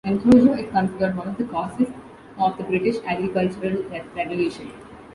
Enclosure is considered one of the causes of the British Agricultural Revolution.